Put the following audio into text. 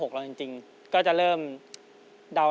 เฮ้ยอย่าลืมฟังเพลงผมอาจารย์นะ